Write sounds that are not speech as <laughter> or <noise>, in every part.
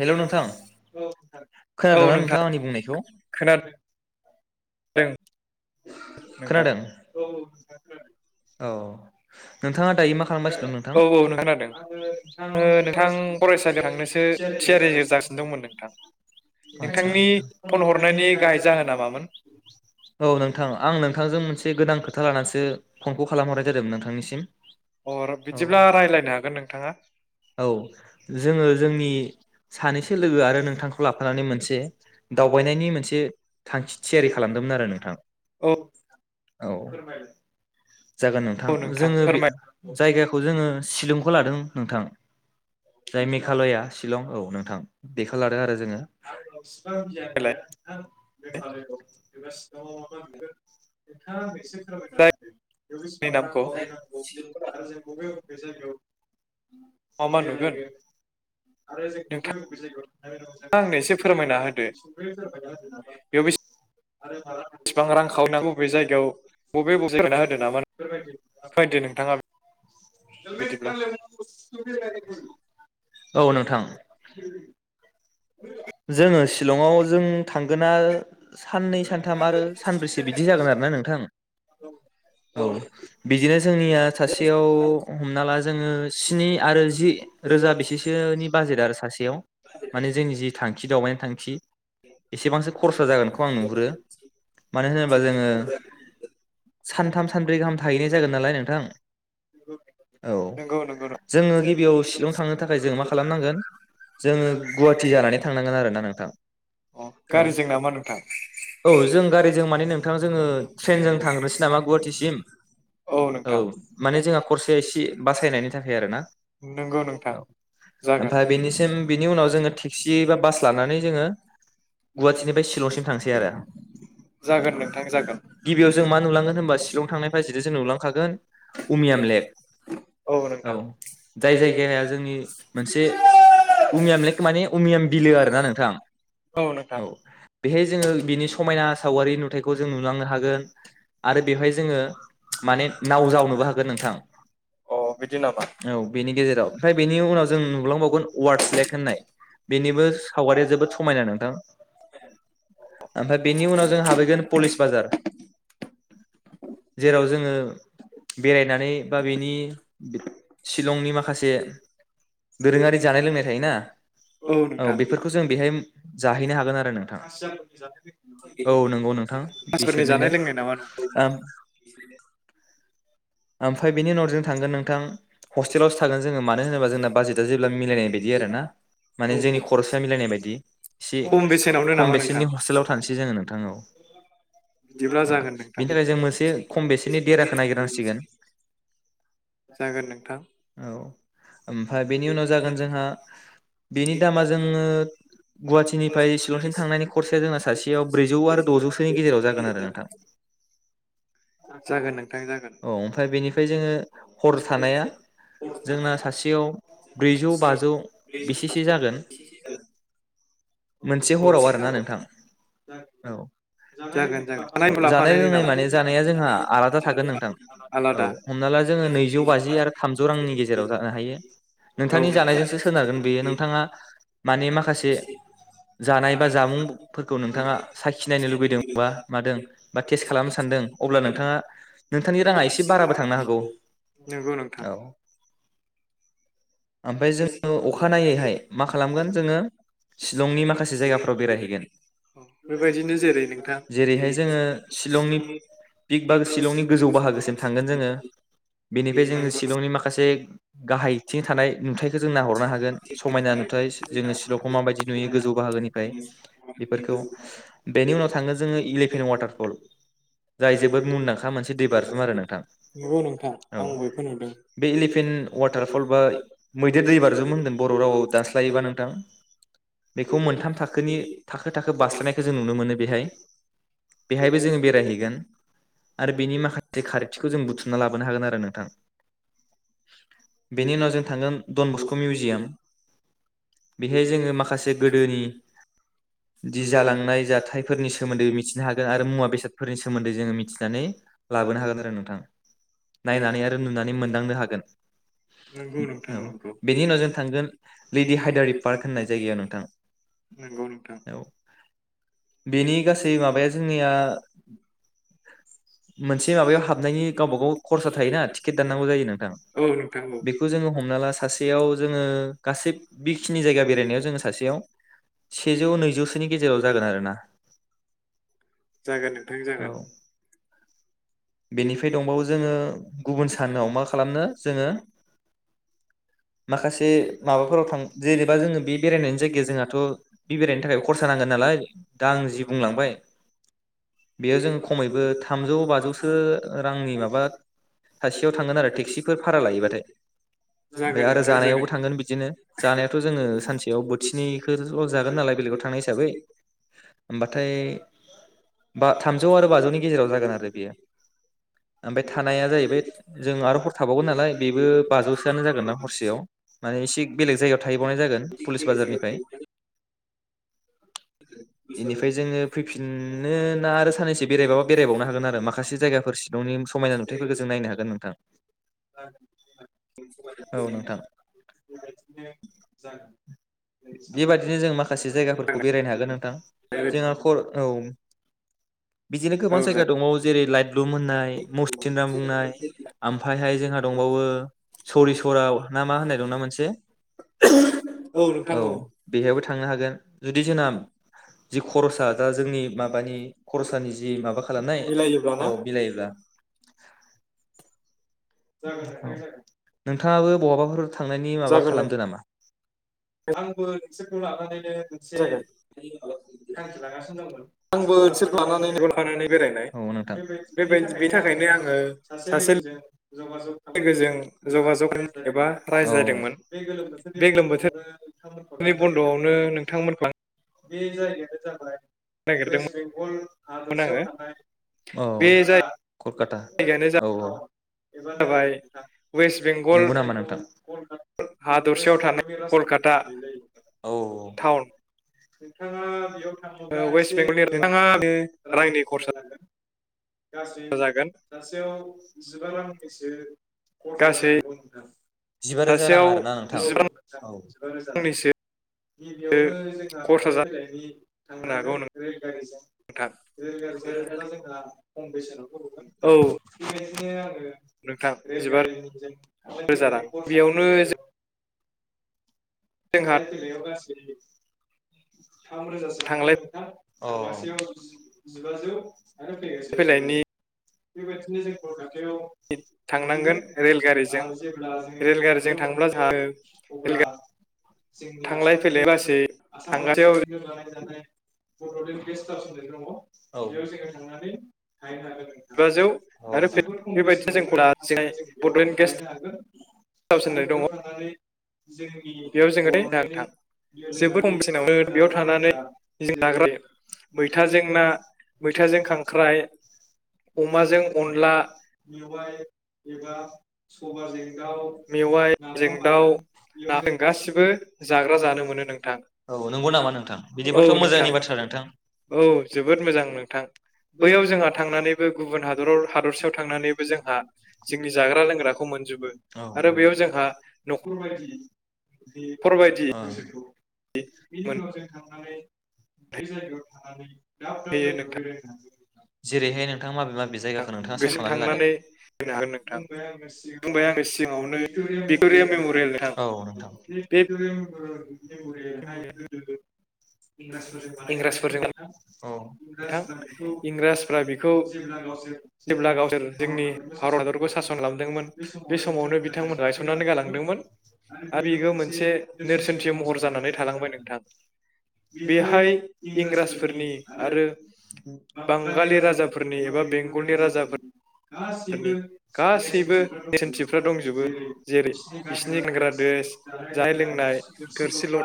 Hello नोंथां, औ खोनादोंना नोंथां नोंथाङा आंनि बुंनायखौ? दों खोनादों? औ औ औ नोंथाङा दायो मा खालामगासिनो दं नोंथां? औ औ नों खोनादों आङो दा ओ नोंथां फरायसालिआव फरायसालियाव थांनो थांनोसो थियारि जागासिनो दं दंमोन नोंथां आदच्चा नोंथांनि फन हरनायनि गाहाय जाहोना मामोन? औ नोंथां आं नोंथांजों मोनसे गोदान खोथा लानानैसो फनखौ खालामहरनाय जादोंमोन नोंथांनिसिम? औ अ बिदिब्ला रायज्लायनो हागोन नोंथाङा औ जोङो जोंनि सानैसो लोगो आरो नोंथांखौ लाफानानै मोनसे दावबायनायनि मोनसे थांखि थियारि खालामदोंमोन आरो नों औ औ जागोन नोंथां औ जोङो बि फोरमायलाय जायगाखौ जोङो शिलंखौ लादों नोंथां जाय मेघालया शिलं औ नोंथां बेखौ लादों आरो जोङो होद गियान गैया <unintelligible> मेघालया खौ बेबास माबा माबा नुगोन नोंथाङा बेसिम फोरमायना होदो जायगानि दे बेयाव बेसेबां नामखौ रांखावरि नांगौ आरो जों बबे बबे जायगायाव मा मा नुगोन बेरायगोन आरो जों बबे नोंथाङा बबे जायगायाव आंनो एसे फोरमायना होदो थां <unintelligible> आरो माला थिबां रां खावयै नांगौ बबे जायगायाव बब बबे बबे <unintelligible> फोरमायदो फोरमायदो नोंथाङा बिदिब्ला नोंथां <unintelligible> औ नोंथां जोङो सिलंआव जों थांगोना साननै सानथाम आरो सानब्रैसो बिदि जागोन आरो ना नोंथां। गावनो औ बिदिनो जोंनिया सासेयाव हमना ला जोङो स्नि आरो जि रोजा बेसेसोनि बाजेट आरो सासेयाव जोंनि जि थांखि द दावबायनाय थांखि एसेबांसो खरसा जागोनखौ आं नुहुरो मानो होनोब्ला जोङो सानथाम सानब्रै गाहाम थाहैनाय जागोन नालाय नोंथां। उम औ नंगौ नंगौ जोङो गिबियाव शिलं थांनो थाखाय जों मा खालामनांगोन जोङो गुवाहाटि जानानै थांनांगोन आरोना नोंथां। अ गारिजों नामा नोंथां औ औ जों गारिजों माने नोंथां जोङो ट्रेनजों थांग्रोसै नामा गुवाहाटिसिम औ माने जोंहा खरसाया एसे बासायनायनि थाखाय आरोना नंगौ नोंथां औ ओमफ्राय जागोन बेनिसिम बेनि उनाव जोङो फिए बा बास लानानै जोङो गुवाहाटिनिफ्राय सिलंसिम थांसै आरो जागोन औ नोंथां जागोन गिबियाव जों मा नुलांगोन होनबा सिलं थांनायजों नुलांखागोन उमियाम लेक। औ जाय जायगाया जोंनि मोनसे उमियाम लेक थु माने उमियम बिलो आरोना नोंथां। औ बेहाय जोङो बिनि समायना सावगारि नुथाइखौ जों नुलांनो हागोन आरो बेवहाय जोङो माने नाव जावनोबो हागोन नोंथां अ बिदि नामा औ बेनि गेजेराव ओमफ्राय बेनि उनाव जों नुलांबावगोन वार्डस लेक होननाय। बेनिबो सावगारिया जोबोद समायना नों दा आमफ्राय बेनि उनाव जों हाबहैगोन पलिस बाजार जेराव जोङो बेरायनानै बा बेनि सिलंनि माखासे दोरोङारि जानाय लोंनाय थायोना। औ बेफोरखौ जों बेहाय जाहैनो हागोन आरो नोंथां। औ नंगौ नोंथां <unintelligible> जानाय बिसोरनिनो लोंनाय नामा नोंथां? आमफ्राय बेनि उनाव जों थांगोन नोंथां हस्टेलावसो थागोन जोङो मानो होनोबा जोंना बाजेटआ जेब्ला मिलायनाय बायदि आरोना। माने जोंनि खरसा मिलायनाय बायदि एसे खम बेसेनावनो नामा खम नोंथां बेसेननि हस्टेलाव थानोसै जोङो नोंथां औ। <inaudible> बिदिब्ला जागोन नोंथां बेनि थाखाय जों मोनसे खम बेसेननि देराखौ नागिरनांसिगोन जागोन नोंथां औ आमफ्राय बेनि उनाव जागोन जोंहा बिनि दामा जोङो गुवाहाटिनिफ्राय सिलंसिम थांनायनि खरसाया जोंना सासेयाव ब्रैजौ आरो दजौ सोनि गेजेराव जागोन आरो नोंथां जागोन नोंथां जागोन औ आमफ्राय बेनिफ्राय जोङो हर थानाया जोंना सासेयाव ब्रैजौ बाजौ। से जागोन। मोनसे हराव आरोना जागोन नोंथां। औ। जागोन खानाय जानाय लाफानायनि लोंनाय नामा माने जानाया जोंहा आलादा थागोन नोंथां औ आलादा हमना ला जोङो नैजौ बाजि आरो थामजौ रांनि गेजेराव जानो हायो औ नोंथांनि नोंथां जानायजोंसो सोनारगोन। नोंथाङा माने माखासे जानाय बा जामुंफोरखौ नोंथाङा साखिनाय बा मादों बा टेस्ट खालामनो सानदों अब्ला नोंथाङा नोंथांनि राङा एसे बाराबो थांनो हागौ नंगौ नोंथां औ। आमफ्राय जोङो अखा नायैहाय मा खालामगोन जोङो सिलंनि माखासे जायगाफ्राव बेरायहैगोन बेबायदिनो जेरै नोंथां जेरैहाय जोङो सिलंनि पिख बा सिलंनि गोजौ बाहागोसिम थांगोन जोङो बेनिफ्राय जोङो सिलंनि माखासे गाहायथिं थानाय नुथाइ खौ जों नइहरनो हागोन। समायना नुथाइ जोङो शिलंखौ माबायदि नुयो गोजौ बाहागोनिफ्राय बेफोरखौ बेनि उनाव थाङो जोङो इलेभेन वाटारफल जाय जोबोद मुंदांखा मोनसे दै बाज्रुम आरो नोंथां नंगौ नोंथां औ आं बयखौ नुदों बे इलेभेन वाटारफल बा मै जे दै बाज्रुम होनदों। बर' रावआव दानास्लायोबा नोंथां बेखौ मोनथाम थाखोनि थाखो थाखो बारास्लायनायखौ जों नुनो मोनो बेहाय बेहायबो जोङो बेरायहैगोन आरो बेनि माखासे खारथिखौ जों बुथुमना लाबोनो हागोन आरो नोंथां। बेनि उनाव जों थांगोन डन बस्क मिउजियाम बेहाय जोङो माखासे गोदोनि दि जालांनाय जाथायफोरनि सोमोन्दै मिथिनो हागोन आरो मुवा बेसादफोरनि सोमोन्दै जोङो मिथिनानै लाबोनो हागोन आरो नोंथां नायनानै आरो नुनानै मोनदांनो हागोन नंगौ नोंथां औ नंगौ। बेनि उनाव जों थांगोन लेडि हायदारि जायो पार्क होननाय जायगायाव नोंथां नामा नोंगौ नोंथां औ बेनि गासै माबाया जोंनिया मोनसे माबायाव हाबनायनि गावबागाव खरसा थायोना टिकेट दाननांगौ जायो नोंथां औ नोंथां औ बेखौ जोङो हमना ला सासेयाव जोङो गासै बेखिनि जायगा बेरायनायाव जोङो सासेयाव सेजौ नैजौसोनि गेजेराव जागोन आरोना जागोन नोंथां औ जागोन बेनिफ्राय दंबावो जोङो गुबुन सानाव मा खालामनो जोङो माखासे माबाफोराव थां जेनेबा जोङो बे बेरायनायनि जायगाया जोंहाथ बे बेरायनो थाखाय खरसा नांगोन नालाय दा आं जि बुंलांबाय बेयाव जों खमैबो थामजौ बाजौ ओ रांनि माासे थोन तेक्सिफोर भारा लायोबाथाय जागोन आरो नोंथां जानायावबो जागोन थांगोन बिदिनो जानायाथ जोङो सानसेयाव औ बोथिनैखौल जागोन नालाय बेलेगाव थांनाय हिसाबै होमबाथाय बा थामजौ आरो बाजौनि गेजेराव जागोन आरो बियो ओमफ्राय थानाया जाहैबाय जों आरो हर थाबावगोन नालाय बेबो बाजौसोआनो जागोन ना हरसे सेयाव माने सि बेलेग जायगायाव थाहैबावनाय जागोन पुलिस बाजारनिफ्राय बेनिफ्राय जोङो फैफिन नों आरो सानैसो बेरायबाबा बेरायबावनो हागोन आरो मा जायगाफोर सिलंनि समायना नुथायफोरखौ जों नायनो हागोन नोथां औ नोंथां <unintelligible> बेबायदिनो जों मा माखासे जायगाफोरखौ बेरायनो हागोन नोंथां जोंना औ बिदिनो गोबां जायगा जागोन दङ। जेरै लाइटलु मोननाय मुसथिना मुंनाय आमफायहाय जोंहा दंबावो सरि सराव ना मा होननाय दंना मोनसे औ बेहायबो थांनो हागोन जुदि जोंना जि खरसा दा जोंनि माबानि खरसानि जि जि माबा खालामनाय मिलायोब्ला ना औ बिलायोब्ला <unintelligible> नोंथाङाबो बहाबाफोर थांनायनि माबा जागोन खालामदो नोंथां नामा? आंबो नोंसोरखौ लानानै से मोनसे जागोन थांखि लागासिन दंमोन आंबो नोंसोरखौ ओनसोलखौ लाफानानै लानानै बेरायनाय लाफानानै बेरायनाय औ नोंथां बेनि थाखायनो आङो सासे लोगोजों लोगोजों जगाजग एबा औ रायज्लायदोंमोन बे गोलोम बोथोरनि बन्द'आवनो नोंथांमोनखौ लां बे जायगायानो जाबाय वेस्ट नागिरदोंमोन बेंगल हादरसायाव आङो थानाय औ बे कलकाता कलकाता जायगायानो औ जाबाय औ। वेस्ट बेंगल नोंगौ नामा नोंथांं हादरसायाव थानाय कलकाता औ। टाउन नोंथाङा बियाव थाङोब्ला वेस्ट एसे बेंगलनि नोंथाङा बे गोबाङैनो रांनि रायनो खरसा जागोन। गासै जागोन सासेयाव <unintelligible> खरसा जानो गासै हागौ नोंथां जिबा रोजा रां सासेयाव आरो ना नोंथां जिबा औ जिबा रोजा रां रांनिसो गिबियावनो जोंहा खरसा थांलाय फैलायनि जानो हागौ थांनांगोन रेलगारिजों नोंथां रेलगारिजों थांब्ला जोंहा खम बेसनाव औ। बे आरो नोंथां जिबा रेलगारि जों थांलाय रोजा रां फैलायनि खरसा बेयावनो <unintelligible> जोंहा थांलाय फैलायाव गास <unintelligible> थाम रोजासो थांगोन थांलाय नोंथां। औ थांगासेआव जिबा जौ आरो फैगासेआव जिबा जौ। फैलायनि बेबादिनो जों कलका ताआव थांनांगोन मोनहैगोन रेलगारिजों आरो जेब्ला जोङो रेलगारिजों कलकातायाव थांब्ला जोंहा मोनहैयो अब्ला रेलगारि जोंनि थांलाय फैलाय आसामजोंनो गासै आसाम हादरजों थांगासेयाव <unintelligible> जानाय जानाय बड'लेन्ड गेस्ट हाउस होननाय दङ औ बेयाव जोङो थांनानै थाहैनो हागोन। बाजौ। जोबोद खम बेसेनावनो थांनानै जों बेवहाय बड'लेण्ड गेस्ट थाहैनो हागोन हाउस होननाय दङ बेयाव जोङो नोंथां आरो जोबोद खम बेसेनावनो थानानै जों जाग्रा बेयाव मैथाजों ना मैथाजों खांख्राइ थांनानै अनला मेवआइ एबा <unintelligible> सगाजें औ मेवाइजों दाउ नाजों गासिबो जाग्रा जानो मोनो नोंथां नंगौ नामा नोंथां औ बिदिबाथ' नोंथां मोजांनि बाथ्रा नोंथां। औ जोबोद मोजां नोंथां दरसेयाव थांनानैबो जोंहा जोंनि जाग्रा लोंग्राखौ मोनजोबो। आरो बेयाव जोंहा औ न'खर बायदि अ माने बे जायगायाव थानानै दाब दाब मोनहैयो जायगायाव नोंथां बेरायनो मोनो जेरैहाय नोंथाङा माबे माबे नोंथाङा से गोसो खालामना लादो थांनानै होनो हागोन नोंथां बुंबाय आङो बुंबाय सिङावनो आङो सिगाङावनो भिक्ट'रिया मेमरियेल नोंथां औ नोंथां बे भिक्ट'रिया मेमरियावनो जों बेवहाय मेम'रियेल गोदो गोदो इंराजफोरजों बानाय जानायल' इंराजफोरजों नोंथां। औ नोंथां इंराजफ्रा बेखौ जेब्ला गावसोर जोंनि भारत हादरखौ सासन खालामदोंमोन बे समावनो बिथांमोनहा गायसननानै गालांदोंमोन आरो बिबो मोनसे नेरसोनथि महर जानानै थालांबाय नोंथां बेहाय इंराजफोरनि आरो बांगालि राजाफोरनि एबा बेंग बे राजाफोरनि गासैबो नेरसोनथिफ्रा दंजोबो जेरै बिसिनि गानग्रा द्रेस जानायाय लोंनाय थोरसि लथा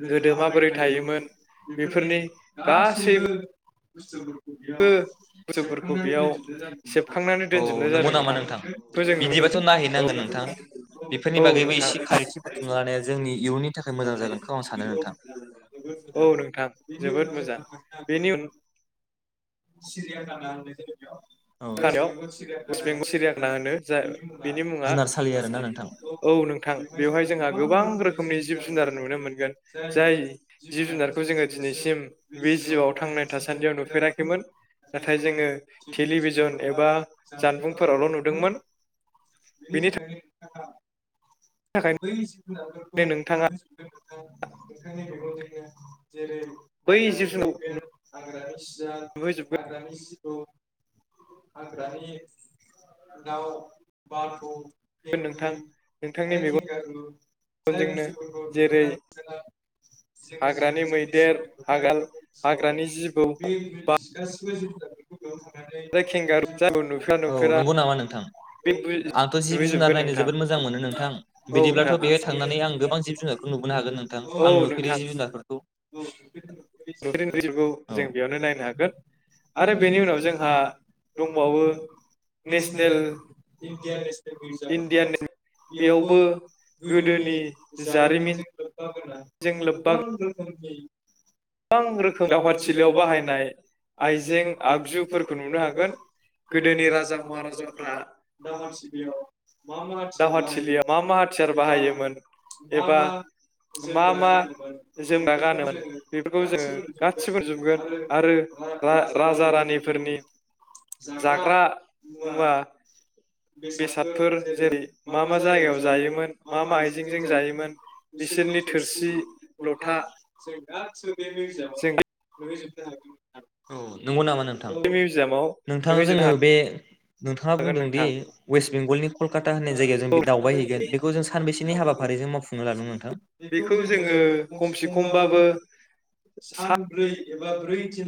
गोदो माबोरै थायोमोन बेफोरनि गासैबो बुसथुफोर थ' बेयाव बुस्थुफोरखौ सेबखांनानै बेयाव दोन्थुमना जादों सेबखांनानै अ दोनजोबनाय नंगौ जादों नामा नोंथां बेखौ जों नुनो बिदिबाथ' मोनदों नायहैनांगोन औ नोंथां बेफोरनि औ बागैबो नोंथां एसे खारिथि बुथुमना लानाया जोंनि इयुननि थाखाय मोजां जागोनखौ आं सानो नोंथां। औ नोंथां जोबोद मोजां बेनि उन सिरिया गानानै दङ बेयाव। थानाव वेस्ट बेंगल सिरियाखौ लानानो जा बेनि मुङा जुनारसालि आरोना नोंथां औ नोंथां बेवहाय जोंहा गोबां रोखोमनि जिब जुनार नुनो मोनगोन जाय जिब जुनारखौ जोङो दिनैसिम बे जिउआव थांना थासान्दियाव नुफेराखैमोन। नाथाय जोङो टेलिभि जन एबा जानबुंफोरावल' नुदोंमोननि बेनि थाखाय <unintelligible> बै जुनारफोरखौ <unintelligible> नोंथाङा नोंथांनि मेगजों <unintelligible> जेरै बै जिब हाग्रानि जुनारखौ मैदेर आरोस जा नुहैजोबगोन हाग्रानि जिबौ हाग्रानि दाउ बाथ' नोंथां पेंगुन नोंथांनि आरो मेगन खेंगारु जाय जोंनो बुस्थुफोरखौ जेरै नुफेरा हाग्रानि मैदेर हागाल <unintelligible> जिउआव हाग्रानि जिबौ बे गासिबो जिउ आरो खेंगारु जायखौ नुफेरा औ नुफेरा नंगौ नामा नोंथां बे आंथ' जिब जुनार नुहैजोबगोन नायनो नोंथां जोबोद मोजां मोनो नोंथां औ बिदिब्लाथ' नोंथां बेहाय थांनानै आं गोबां जिब जुनारखौ नुबोनो हागोन नोंथां औ आं नुफेरो नोंथां जिब जुनारफोरखौ। <unintelligible> नुफेरै नुफेरै जिबखौ जों बेयावनो नायनो हागोन। आरो बेनि उनाव जोंहा दंबावो नेसनेल इन्डिया नेसनेल रिर्चाप होननाय इण्डियान बेयावबो गोदोनि जारिमिनजों लोब्बा गोनां लोब्बा गोबां रोखोम <unintelligible> गोबां रोखोम दावहादथिलियाव बाहायनाय आइजें आगजुफोरखौ नुनो हागोन गोदोनि राजा महाराजाफ्रा दा मानसि औ दावहाथिलियाव मा मा हाथियार बाहायोमोन एबा मा मा जोमग्रा गानोमोन बेफोरखौ जोङो गासिबो नुजोबगोन आरो रा राजा रानिफोरनि जाग्रा मुवा बेसादफोर जेरै मा मा जायगायाव जायोमोन मा मा आइजेंजों जायोमोन बिसोरनि थोरसि लथा बे मिउजियामाव जों बे नुहैजोब औ नंगौ नामा नों नोंथां मिउजियामाव नोंथां नुहैजोबनो जोङो बे नोंथाङा हागोन बुंदों दि नोंथां वेस्ट बेंगलनि कलकाता होननाय जायगायाव जों बे औ दावबाय हैगोन बेखौ जों सानबेसेनि हाबाफारिजों मावफुंनो लादों नोंथां? बेखौ जों जोङो खमसे खमसेखम बाबो खमबाबो सानब्रै एबा ओरै <unintelligible>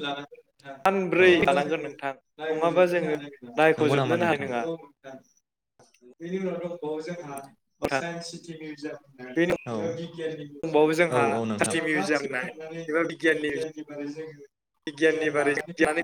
सानब्रै नङाबा लानांगोन जोङो नोंथां नङाबा नायबुजोबनोनो जोङो हानाय नङा नंगौ नामा नायख'जोबनोनो हानाय नोंथा औ नङा नोंथां बेनि उनाव दंबावो जोंहा नोंथां साइन्स सिटिनि जों बेनि औ दंबावो जोंहा औ साइन्स मिउजियाम होननाय औ नोंथां बिगाननि बारै <unintelligible>